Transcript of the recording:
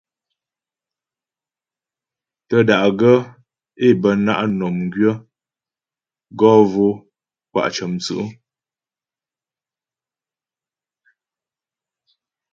Tə́ da'gaə́ é bə na' mnɔm gwyə̌ gɔ mvo'o kwa' cə̀mwtsǔ'.